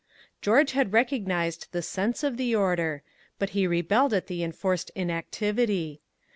George had recognized the sense of the order, but he rebelled at the enforced inactivity.